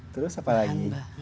terus apa lagi